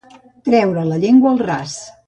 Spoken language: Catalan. Treure la llengua al ras.